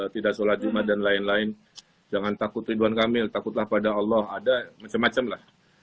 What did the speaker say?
tidak sholat jumat dan lain lain jangan takut ridwan kamil takutlah pada allah ada macam macam lah